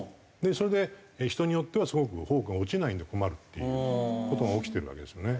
それで人によってはすごくフォークが落ちないんで困るっていう事が起きてるわけですよね。